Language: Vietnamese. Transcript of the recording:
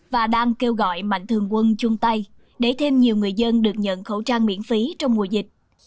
và đang kêu gọi mạnh thường quân chung tay để thêm nhiều người dân được nhận khẩu trang miễn phí trong mùa dịch